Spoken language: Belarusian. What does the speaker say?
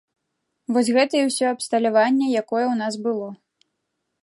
Вось гэта і ўсё абсталяванне, якое ў нас было.